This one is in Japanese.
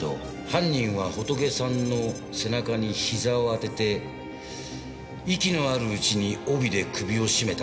犯人は仏さんの背中に膝を当てて息のあるうちに帯で首を絞めたんだな。